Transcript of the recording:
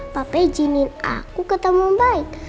papa ijinin aku ketemu om baik